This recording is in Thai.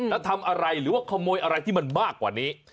แล้วทำอะไรหรือว่าขโมยอะไรที่มันมากกว่านี้